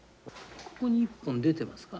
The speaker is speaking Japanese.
ここに１本出てますか。